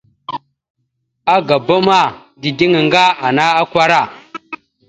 Agaba ma, dideŋ aŋga ana akwara.